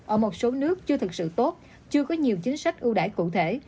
ở một số nước chưa thực sự tốt chưa có nhiều chính sách ưu đại cụ thể